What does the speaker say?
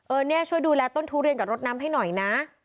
เนี่ยช่วยดูแลต้นทุเรียนกับรถน้ำให้หน่อยนะ